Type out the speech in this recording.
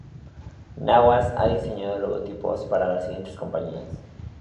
Nawaz ha diseñado logotipos para las siguientes compañías.